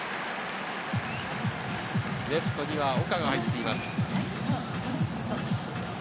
レフトには岡が入っています。